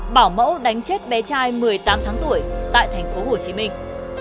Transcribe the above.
bảo mẫu đánh chết bé trai một mươi tám tháng tuổi tại thành phố hồ chí minh